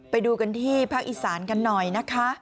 ไปดูกันที่ภาคอีสานกันหน่อยนะคะ